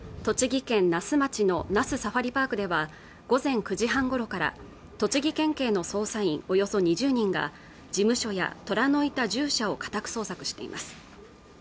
栃木県那須町の那須サファリパークでは午前９時半ごろから栃木県警の捜査員およそ２０人が事務所やトラのいた獣舎を家宅捜索しています